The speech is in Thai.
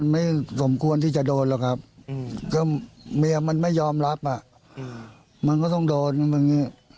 ไม่สมควรที่จะโดนหรอกครับก็เมียมันไม่ยอมรับอ่ะมันก็ต้องโดนแบบนี้